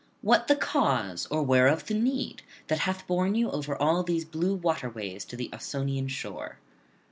what the cause or whereof the need that hath borne you over all these blue waterways to the Ausonian shore?